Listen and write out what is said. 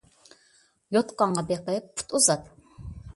يوتقانغا بېقىپ پۇت ئۇزات.